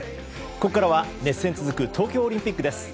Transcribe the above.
ここからは熱戦続く東京オリンピックです。